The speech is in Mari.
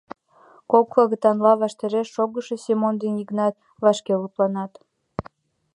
Кок агытанла ваштареш шогышо Семон ден Йыгнат вашке лыпланат.